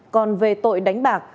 còn về tội đánh bạc